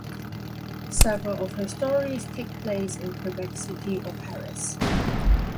Several of her stories take place in Quebec City or Paris.